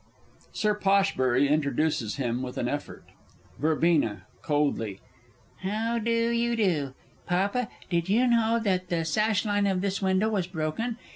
[Sir POSH. introduces him with an effort. Verbena (coldly). How do you do? Papa, did you know that the sashline of this window was broken?